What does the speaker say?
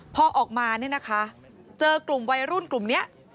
พอออกมาเนี่ยนะคะเจอกลุ่มวัยรุ่นกลุ่มนี้